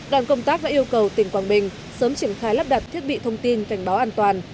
đoàn công tác đã yêu cầu tỉnh quảng bình sớm triển khai lắp đặt thiết bị thông tin cảnh báo an toàn